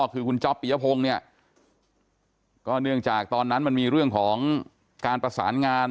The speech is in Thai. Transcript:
คือคุณจ๊อปปียพงศ์เนี่ยก็เนื่องจากตอนนั้นมันมีเรื่องของการประสานงาน